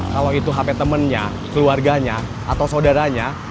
kalau itu hp temennya keluarganya atau saudaranya